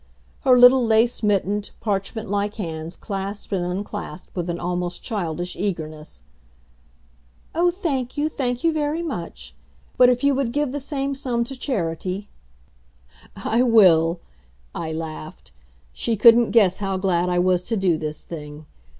Her little lace mittened, parchment like hands clasped and unclasped with an almost childish eagerness. "Oh, thank you, thank you very much; but if you would give the same sum to charity " "I will," I laughed. She couldn't guess how glad I was to do this thing.